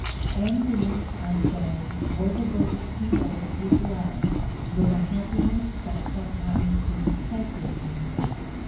And these, I say, were the books he wrote with love, with a happiness that sometimes seemed sacred to him.